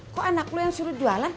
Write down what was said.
kok anak lo yang suruh jualan